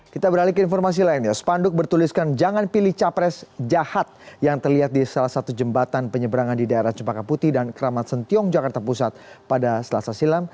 kita beralih ke informasi lain ya spanduk bertuliskan jangan pilih capres jahat yang terlihat di salah satu jembatan penyeberangan di daerah cempaka putih dan kramat sentiong jakarta pusat pada selasa silam